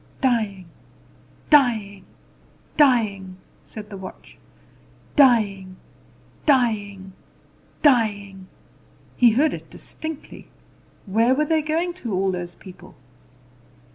"Dying, dying, dying!" said the watch; "dying, dying, dying!" He heard it distinctly. Where were they going to, all those people?